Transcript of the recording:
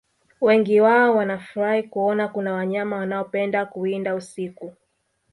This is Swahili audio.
Wengi wao wanafurahi kuona kuna wanyama wanaopenda kuwinda usiku